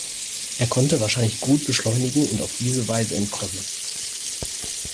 Er konnte wahrscheinlich gut beschleunigen und auf diese Weise entkommen.